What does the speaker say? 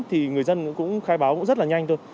thì người dân cũng khai báo cũng rất là nhanh thôi